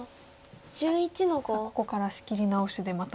さあここから仕切り直しでまた。